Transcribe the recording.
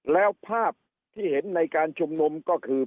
แล้วภาพที่เห็นในการชุมนุมก็คือ